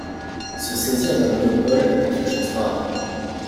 Se saisir d’un monopole est une chance rare.